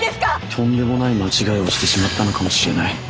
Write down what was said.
とんでもない間違いをしてしまったのかもしれない。